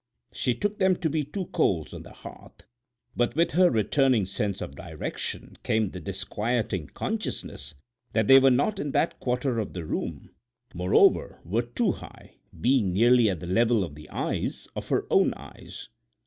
She took them to be two coals on the hearth, but with her returning sense of direction came the disquieting consciousness that they were not in that quarter of the room, moreover were too high, being nearly at the level of the eyes—of her own eyes.